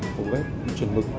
bộ vest chuẩn mực